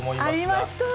ありました。